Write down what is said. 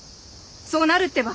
そうなるってば。